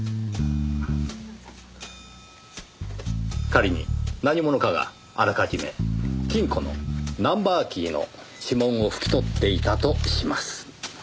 仮に何者かがあらかじめ金庫のナンバーキーの指紋を拭き取っていたとします。